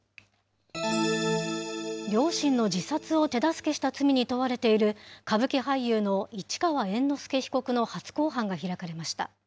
両親の自殺を手助けした罪に問われている歌舞伎俳優の市川猿之助被告の初公判が開かれました。